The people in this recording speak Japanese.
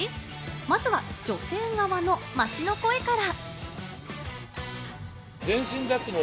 まずは女性側の街の声から。